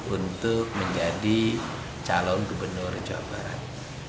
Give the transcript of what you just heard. untuk menjadi calon gubernur jawa barat